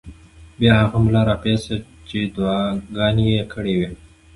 بیا هغه ملا راپاڅېد چې دعاګانې یې کړې وې.